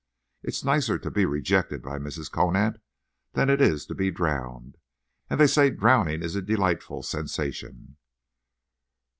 It's nicer to be rejected by Mrs. Conant than it is to be drowned. And they say drowning is a delightful sensation."